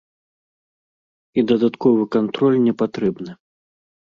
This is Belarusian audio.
І дадатковы кантроль не патрэбны.